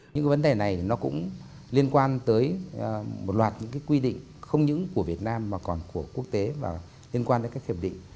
những vấn đề này nó cũng liên quan tới một loạt những cái quy định không những của việt nam mà còn của quốc tế và liên quan đến các hiệp định